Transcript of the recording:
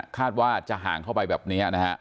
คาดว่าจะห่างเข้าไปแบบนี้นะฮะ